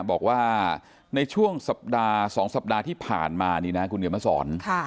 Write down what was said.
บอกว่าในช่วงสัปดาห์๒สัปดาห์ที่ผ่านมานี่นะคุณเขียนมาสอน